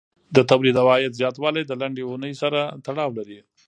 د تولید او عاید زیاتوالی د لنډې اونۍ سره تړاو لري.